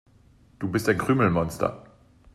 Du bist ein Krümelmonster.